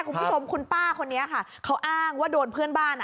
คุณผู้ชมคุณป้าคนนี้ค่ะเขาอ้างว่าโดนเพื่อนบ้านอ่ะ